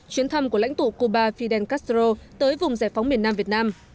chuyến thăm của lãnh tụ cuba fidel castro tới vùng giải phóng miền nam việt nam